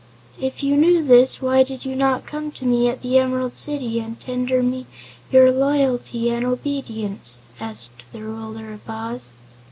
"If you knew this why did you not come to me at the Emerald City and tender me your loyalty and obedience?" asked the Ruler of Oz.